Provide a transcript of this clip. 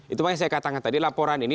itu makanya saya katakan tadi laporan ini